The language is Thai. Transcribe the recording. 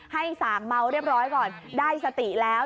ส่างเมาเรียบร้อยก่อนได้สติแล้ว